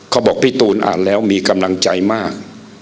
เขาบอกพี่ตูนอ่านแล้วมีกำลังใจมาก